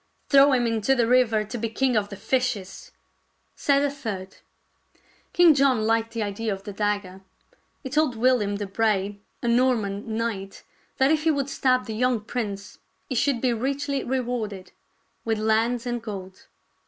" Throw him into the river to be king of the fishes," said a third. King John Hked the idea of the dagger. He told WiUiam de Bray, a Norman knight, that if he would stab the young prince he should be richly rewarded with lands and gold.